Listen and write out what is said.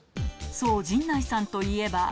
そう、陣内さんといえば。